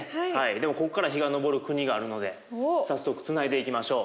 でもここから日が昇る国があるので早速つないでいきましょう。